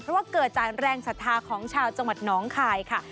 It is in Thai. เพราะว่าเกิดจากแรงศรัทธาของชาวจังหวัดน้องคายค่ะ